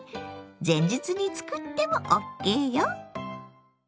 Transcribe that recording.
前日に作ってもＯＫよ。